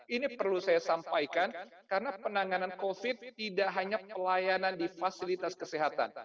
ini perlu saya sampaikan karena penanganan covid tidak hanya pelayanan di fasilitas kesehatan